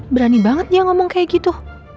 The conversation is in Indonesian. berani banget dia ngomong kayak gitu